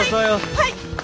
はい！